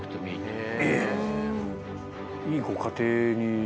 いいご家庭に。